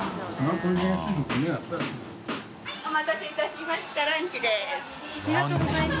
呂お待たせいたしました。